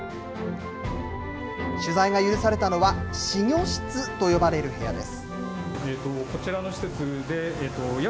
取材が許されたのは、仔魚室と呼ばれる部屋です。